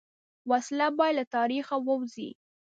وسله باید له تاریخ ووځي